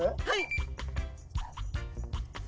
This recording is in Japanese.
はい。